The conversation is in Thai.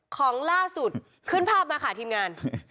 ของล่าสุดขึ้นภาพมาค่ะทีมงาน